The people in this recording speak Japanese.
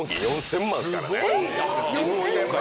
えっ⁉４，０００万？